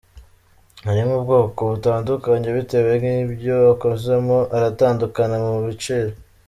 Arimo ubwoko butandukanye bitewe n’ibyo akozemo, aratandukana mu biciro.